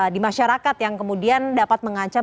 di masyarakat yang kemudian dapat mengancam